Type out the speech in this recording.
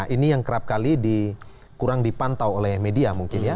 ini yang kerap kali kurang dipantau oleh media mungkin ya